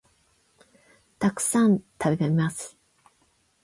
たくさん、食べます